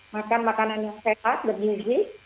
makan makanan yang sehat bergizi